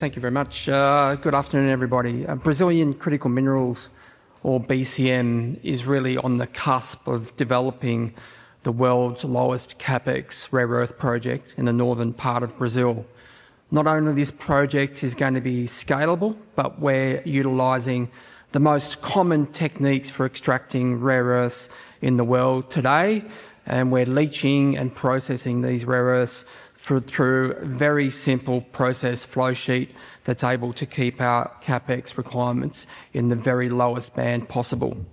Thank you very much. Good afternoon, everybody. Brazilian Critical Minerals, or BCM, is really on the cusp of developing the world's lowest CapEx rare earth project in the northern part of Brazil. Not only this project is going to be scalable, but we're utilizing the most common techniques for extracting rare earths in the world today, and we're leaching and processing these rare earths through a very simple process flow sheet that's able to keep our CapEx requirements in the very lowest band possible.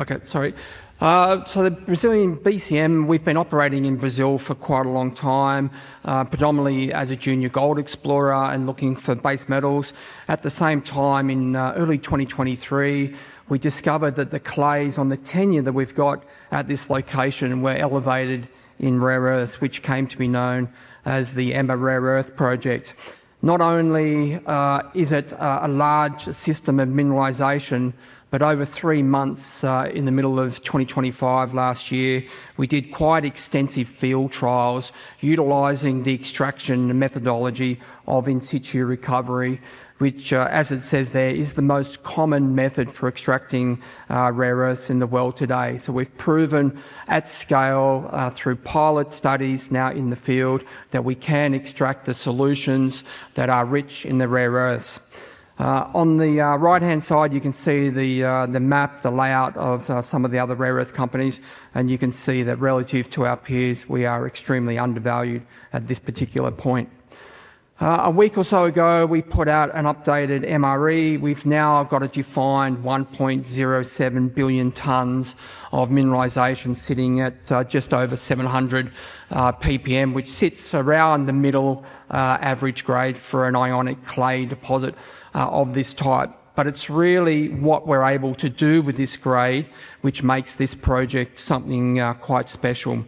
Okay, sorry. The Brazilian BCM, we've been operating in Brazil for quite a long time predominantly as a junior gold explorer and looking for base metals. At the same time, in early 2023, we discovered that the clays on the tenure that we've got at this location were elevated in rare earths, which came to be known as the Ema Rare Earth Project. Not only is it a large system of mineralization, but over three months, in the middle of 2025 last year, we did quite extensive field trials utilizing the extraction methodology of in-situ recovery, which, as it says there, is the most common method for extracting rare earths in the world today. We've proven at scale, through pilot studies now in the field, that we can extract the solutions that are rich in the rare earths. On the right-hand side, you can see the map, the layout of some of the other rare earth companies, and you can see that relative to our peers, we are extremely undervalued at this particular point. A week or so ago, we put out an updated MRE. We've now got a defined 1.07 billion tons of mineralization sitting at just over 700 ppm, which sits around the middle average grade for an ionic clay deposit of this type. It's really what we're able to do with this grade, which makes this project something quite special.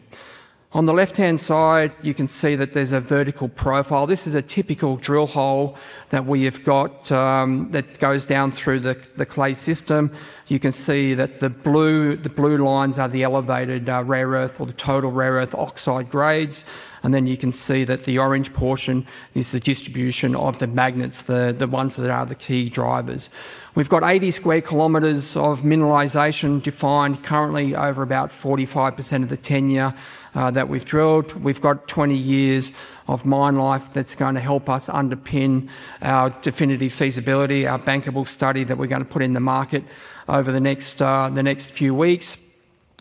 On the left-hand side, you can see that there's a vertical profile. This is a typical drill hole that we have got that goes down through the clay system. You can see that the blue lines are the elevated rare earth or the total rare earth oxide grades, and then you can see that the orange portion is the distribution of the magnets, the ones that are the key drivers. We've got 80 sq km of mineralization defined currently over about 45% of the tenure that we've drilled. We've got 20 years of mine life that's going to help us underpin our definitive feasibility, our bankable study that we're going to put in the market over the next few weeks.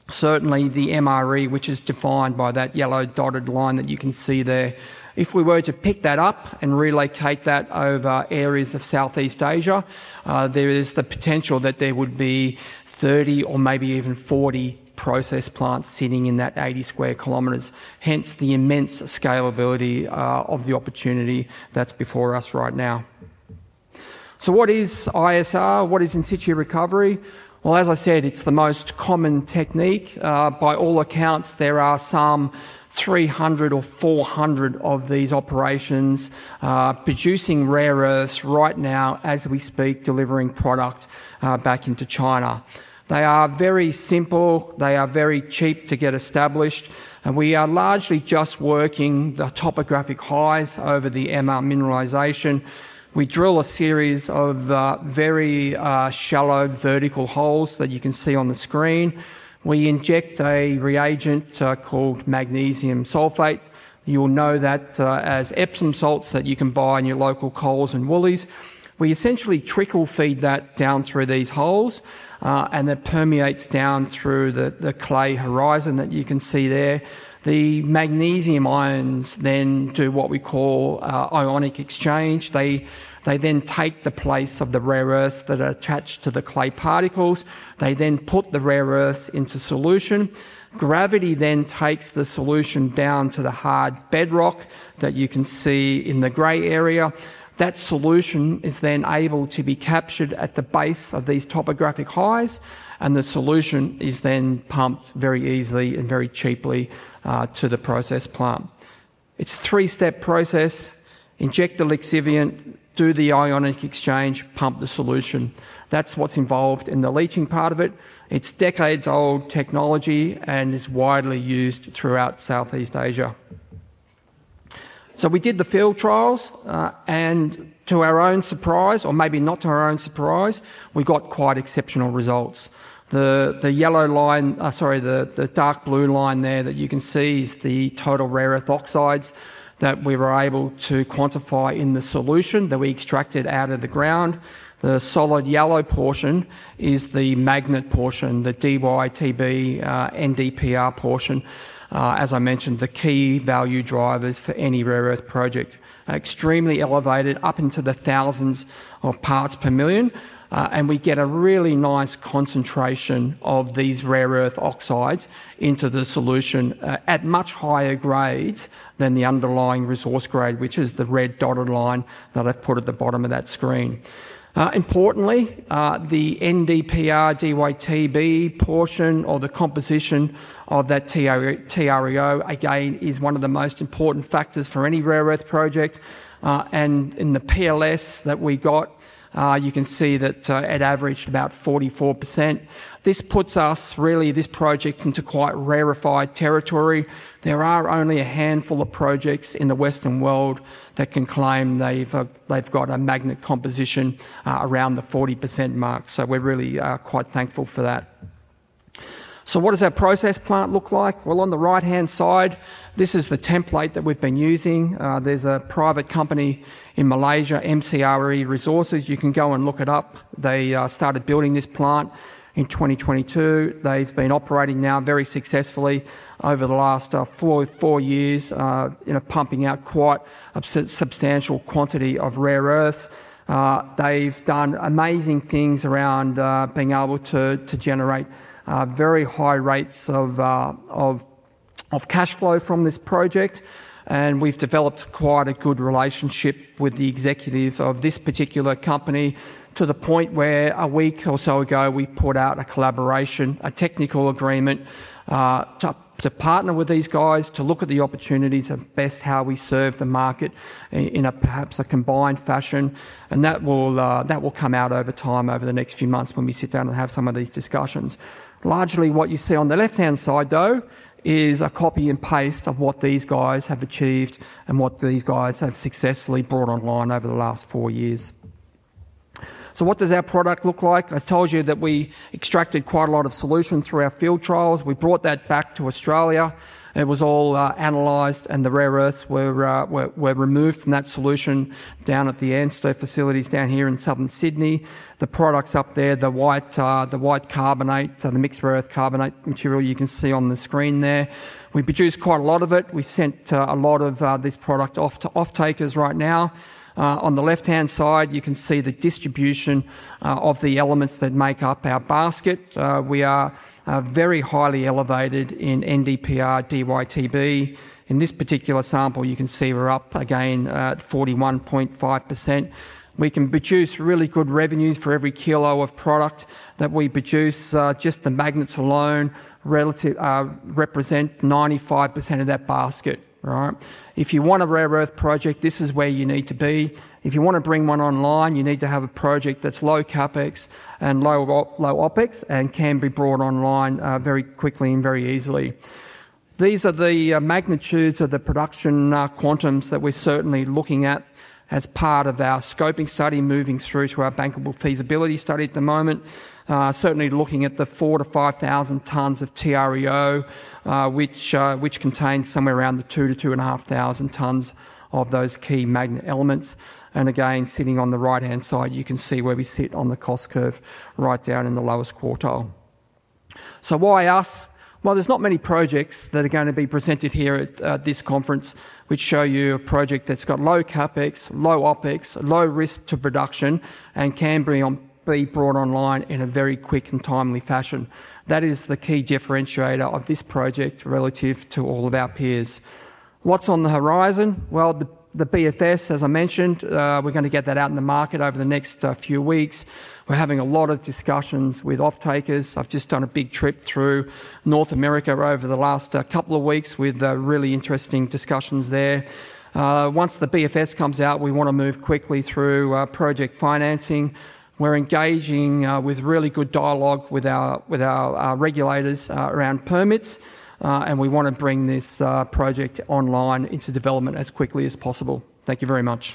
Certainly, the MRE, which is defined by that yellow dotted line that you can see there. If we were to pick that up and relocate that over areas of Southeast Asia, there is the potential that there would be 30 or maybe even 40 process plants sitting in that 80 sq km. Hence the immense scalability of the opportunity that's before us right now. What is ISR? What is in-situ recovery? As I said, it's the most common technique. By all accounts, there are some 300 or 400 of these operations producing rare earths right now as we speak, delivering product back into China. They are very simple. They are very cheap to get established. We are largely just working the topographic highs over the MRE mineralization. We drill a series of very shallow vertical holes that you can see on the screen. We inject a reagent called magnesium sulfate. You will know that as Epsom salts that you can buy in your local Coles and Woolies. We essentially trickle feed that down through these holes. That permeates down through the clay horizon that you can see there. The magnesium ions do what we call ionic exchange. They take the place of the rare earths that are attached to the clay particles. They put the rare earths into solution. Gravity takes the solution down to the hard bedrock that you can see in the gray area. That solution is then able to be captured at the base of these topographic highs, and the solution is then pumped very easily and very cheaply to the process plant. It's a three-step process. Inject the lixiviant, do the ionic exchange, pump the solution. That's what's involved in the leaching part of it. It's decades-old technology, and it's widely used throughout Southeast Asia. We did the field trials, and to our own surprise, or maybe not to our own surprise, we got quite exceptional results. The dark blue line there that you can see is the total rare earth oxides that we were able to quantify in the solution that we extracted out of the ground. The solid yellow portion is the magnet portion, the DyTb NdPr portion, as I mentioned, the key value drivers for any rare earth project. Extremely elevated up into the thousands of parts per million, and we get a really nice concentration of these rare earth oxides into the solution at much higher grades than the underlying resource grade, which is the red dotted line that I've put at the bottom of that screen. Importantly, the NdPrDyTb portion or the composition of that TREO, again, is one of the most important factors for any rare earth project. In the PLS that we got, you can see that it averaged about 44%. This puts us really, this project, into quite rarefied territory. There are only a handful of projects in the Western world that can claim they've got a magnet composition around the 40% mark. We're really quite thankful for that. What does our process plant look like? Well, on the right-hand side, this is the template that we've been using. There's a private company in Malaysia, MCRE Resources. You can go and look it up. They started building this plant in 2022. They've been operating now very successfully over the last four years, pumping out quite a substantial quantity of rare earths. They've done amazing things around being able to generate very high rates of cash flow from this project. We've developed quite a good relationship with the executive of this particular company to the point where a week or so ago, we put out a collaboration, a technical agreement, to partner with these guys to look at the opportunities of best how we serve the market in perhaps a combined fashion. That will come out over time, over the next few months when we sit down and have some of these discussions. Largely, what you see on the left-hand side, though, is a copy and paste of what these guys have achieved and what these guys have successfully brought online over the last four years. What does our product look like? I've told you that we extracted quite a lot of solution through our field trials. We brought that back to Australia. It was all analyzed, and the rare earths were removed from that solution down at the ANSTO facilities down here in southern Sydney. The products up there, the white carbonate, the mixed rare earth carbonate material you can see on the screen there. We produced quite a lot of it. We sent a lot of this product off to off-takers right now. On the left-hand side, you can see the distribution of the elements that make up our basket. We are very highly elevated in NdPrDyTb. In this particular sample, you can see we're up again at 41.5%. We can produce really good revenues for every kilo of product that we produce. Just the magnets alone represent 95% of that basket. If you want a rare earth project, this is where you need to be. If you want to bring one online, you need to have a project that's low CapEx and low OpEx and can be brought online very quickly and very easily. These are the magnitudes of the production quantums that we're certainly looking at as part of our scoping study, moving through to our bankable feasibility study at the moment. Certainly, looking at the 4,000-5,000 tons of TREO, which contains somewhere around the 2,000-2,500 tons of those key magnet elements. Again, sitting on the right-hand side, you can see where we sit on the cost curve right down in the lowest quartile. Why us? Well, there's not many projects that are going to be presented here at this conference which show you a project that's got low CapEx, low OpEx, low risk to production, and can be brought online in a very quick and timely fashion. That is the key differentiator of this project relative to all of our peers. What's on the horizon? Well, the BFS, as I mentioned, we're going to get that out in the market over the next few weeks. We're having a lot of discussions with off-takers. I've just done a big trip through North America over the last couple of weeks with really interesting discussions there. Once the BFS comes out, we want to move quickly through project financing. We're engaging with really good dialogue with our regulators around permits. We want to bring this project online into development as quickly as possible. Thank you very much.